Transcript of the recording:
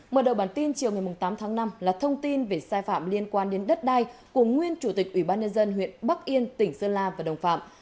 mở đầu bản tin chiều ngày tám tháng năm là thông tin về sai phạm liên quan đến đất đai của nguyên chủ tịch ủy ban nhân dân huyện bắc yên tỉnh sơn la và đồng phạm